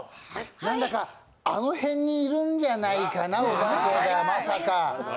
何だか、あの辺にいるんじゃないかな、お化けが、まさか。